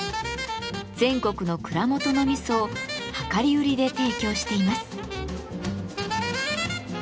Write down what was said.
全国の蔵元の味噌を量り売りで提供しています。